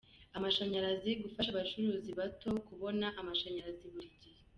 Amashanyarazi: Gufasha abacuruzi bato kubona amashanyarazi buli gihe.